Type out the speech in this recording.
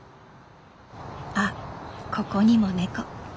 あっここにもネコ。